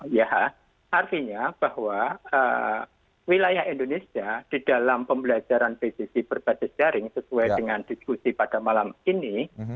ya artinya bahwa wilayah indonesia di dalam pembelajaran pcc berbasis daring sesuai dengan diskusi pada malam ini